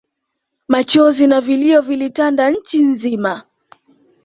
Machozi na vilio vilitanda nchi mzima